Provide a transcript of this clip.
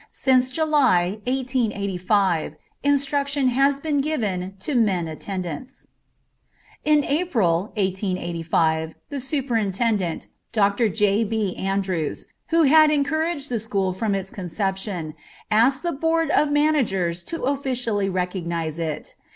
Since July, 1885, instruction has been given to men attendants. In April, 1885, the Superintendent, Dr. J. B. Andrews, who had encouraged the school from its conception, asked the Board of Managers to officially recognize it.